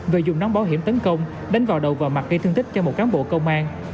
rồi dùng nón bảo hiểm tấn công đánh vào đầu và mặt gây thương tích cho một cán bộ công an